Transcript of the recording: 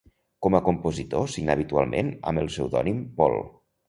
Com a compositor signà habitualment amb el pseudònim Pol.